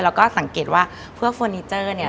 แล้วก็สังเกตว่าเพื่อเฟอร์นิเจอร์เนี่ย